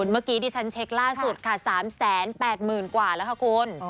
เมื่อกี้ที่ฉันเช็คล่าสุดค่ะ๓๘๐๐๐กว่าแล้วค่ะคุณ